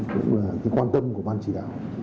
cũng là quan tâm của ban chỉ đạo